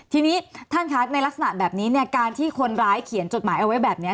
ทีนี้ท่านคะในลักษณะแบบนี้เนี่ยการที่คนร้ายเขียนจดหมายเอาไว้แบบนี้